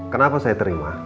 kenapa saya terima